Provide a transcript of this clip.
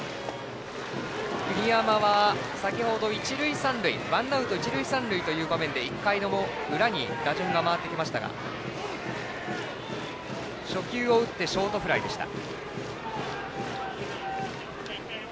栗山は先ほどワンアウト一塁三塁という場面で１回の裏に打順が回ってきましたが初球を打ってショートフライでした。